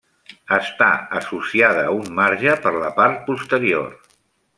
Està associada a un marge per la part posterior.